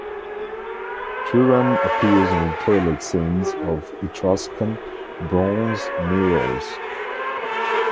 Turan appears in toilette scenes of Etruscan bronze mirrors.